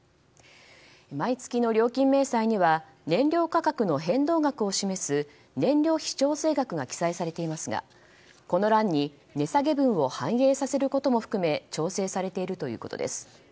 毎月の料金明細には燃料価格の変動額を示す燃料費調整額が記載されていますがこの欄に値下げ分を反映させることも含め調整されているということです。